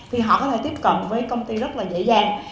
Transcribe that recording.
thì họ có thể tiếp cận với công ty rất là dễ dàng